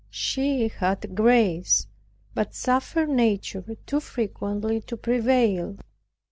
She had grace, but suffered nature too frequently to prevail.